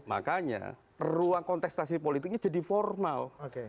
makanya ruang kontestasi politiknya jadi formal